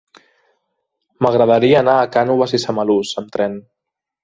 M'agradaria anar a Cànoves i Samalús amb tren.